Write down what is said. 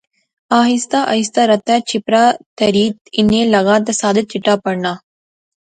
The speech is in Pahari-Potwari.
آہستہ آہستہ رتا چھپرا تہری اینے لاغی تہ ساجد چٹا پرنا